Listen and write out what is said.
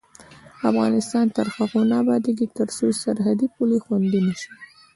افغانستان تر هغو نه ابادیږي، ترڅو سرحدي پولې خوندي نشي.